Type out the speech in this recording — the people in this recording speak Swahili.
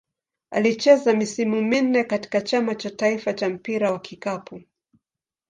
Alicheza misimu minne katika Chama cha taifa cha mpira wa kikapu.